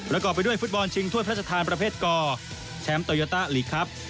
ก่อไปด้วยฟุตบอลชิงถ้วยพระราชทานประเภทกแชมป์โตโยต้าลีกครับ